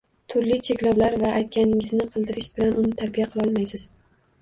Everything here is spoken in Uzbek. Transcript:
Turli cheklovlar va aytganingizni qildirish bilan uni tarbiya qilolmaysiz